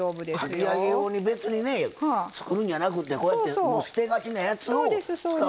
かき揚げ用に別にね作るんじゃなくてこうやって捨てがちなやつを使うとこ。